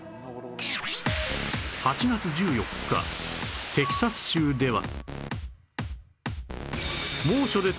８月１４日テキサス州では